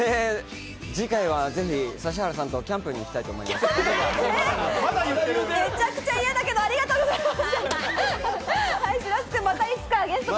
次回は指原さんとキャンプに行きたいと思います。